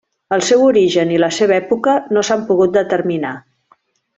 El seu origen i la seva època no s'han pogut determinar.